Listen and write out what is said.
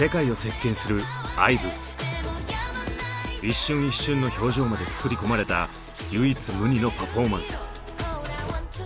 一瞬一瞬の表情まで作り込まれた唯一無二のパフォーマンス。